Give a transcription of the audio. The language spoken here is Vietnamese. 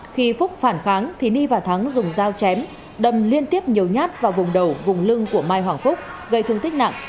khi phúc phản kháng thì ni và thắng dùng dao chém đâm liên tiếp nhiều nhát vào vùng đầu vùng lưng của mai hoàng phúc gây thương tích nặng